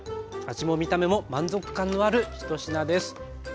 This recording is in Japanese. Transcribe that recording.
味も見た目も満足感のある一品です。